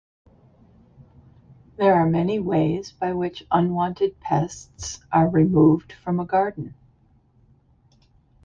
There are many ways by which unwanted pests are removed from a garden.